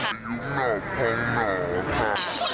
ขายุบหน่อพองหน่อค่ะ